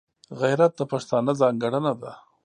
غیرت د پښتانه ځانګړنه ده